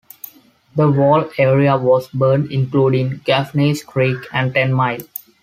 The whole area was burnt including Gaffneys Creek and Ten Mile.